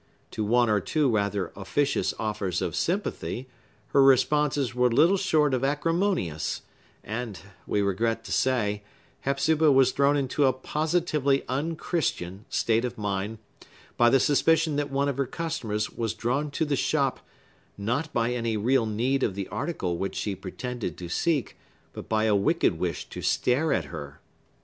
To one or two rather officious offers of sympathy, her responses were little short of acrimonious; and, we regret to say, Hepzibah was thrown into a positively unchristian state of mind by the suspicion that one of her customers was drawn to the shop, not by any real need of the article which she pretended to seek, but by a wicked wish to stare at her.